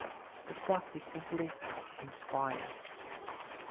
The stuff is simply "inspired."